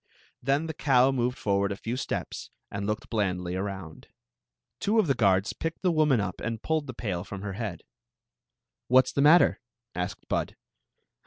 Then the cow mo\^Q^ forward a few stepi and looked blan#y arouad. Two of the guards picked ^ wman the pail from her l^aA "What 's the matter?* a^ed Bud.